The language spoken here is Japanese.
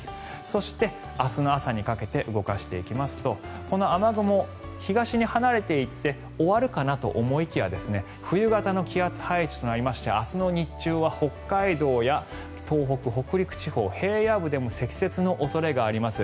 そして、明日の朝にかけて動かしていきますとこの雨雲、東に離れていって終わるかなと思いきや冬型の気圧配置となりまして明日の日中は北海道や東北、北陸地方平野部でも積雪の恐れがあります。